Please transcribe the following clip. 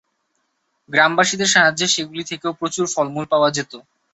গ্রামবাসীদের সাহায্যে সেগুলি থেকেও প্রচুর ফলমূল পাওয়া যেত।